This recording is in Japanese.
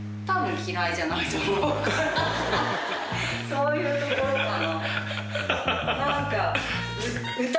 そういうところかな。